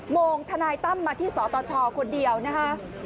โมงทนายตั้มมาที่สตชคนเดียวนะคะ